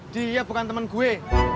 dia bukan temen gue